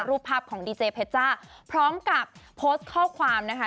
รูปภาพของดีเจเพชจ้าพร้อมกับโพสต์ข้อความนะคะ